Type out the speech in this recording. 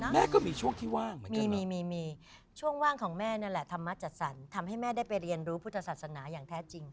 แม่ก็มีช่วงที่ว่างเหมือนกันมีมีช่วงว่างของแม่นั่นแหละธรรมะจัดสรรทำให้แม่ได้ไปเรียนรู้พุทธศาสนาอย่างแท้จริง